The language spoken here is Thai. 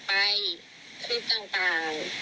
เพราะว่าด้วยอาการป่วยด้วย